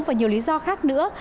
và nhiều lý do khác nữa